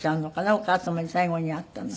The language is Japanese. お母様に最後に会ったのは。